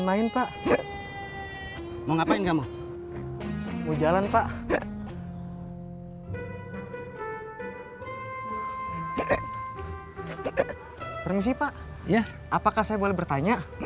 apakah saya boleh bertanya